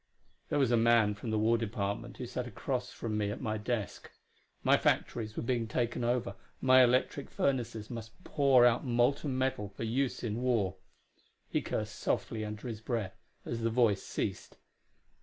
There was a man from the War Department who sat across from me at my desk; my factories were being taken over; my electric furnaces must pour out molten metal for use in war. He cursed softly under his breath as the voice ceased.